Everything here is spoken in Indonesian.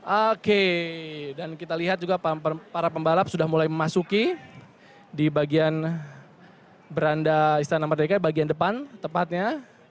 oke dan kita lihat juga para pembalap sudah mulai memasuki di bagian beranda istana merdeka bagian depan tepatnya